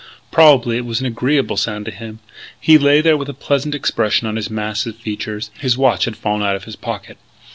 Probably it was an agreeable sound to him. He lay there with a pleasant expression on his massive features. His watch had fallen out of his pocket.